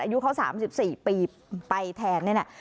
อายุเขา๓๔ปีไปแทนนี่แหละ